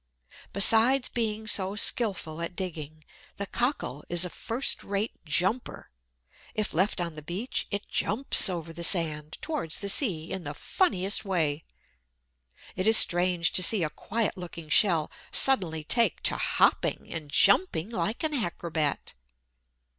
Besides being so skilful at digging, the Cockle is a first rate jumper. If left on the beach, it jumps over the sand, towards the sea, in the funniest way. It is strange to see a quiet looking shell suddenly take to hopping and jumping like an acrobat.